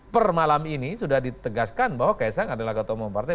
per malam ini sudah ditegaskan bahwa kaisang adalah ketua umum partai